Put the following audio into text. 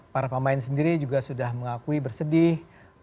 para pemain sendiri juga sudah mengakui bersedih